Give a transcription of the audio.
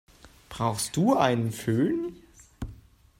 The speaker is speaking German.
Brauchst du einen Fön?